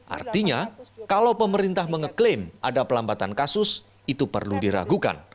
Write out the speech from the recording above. artinya kalau pemerintah mengeklaim ada pelambatan kasus itu perlu diragukan